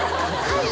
はい。